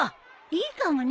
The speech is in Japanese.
いいかもね。